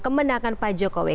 kemenangan pak jokowi